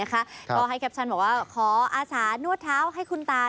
ก็ให้แคปชั่นบอกว่าขออาสานวดเท้าให้คุณตา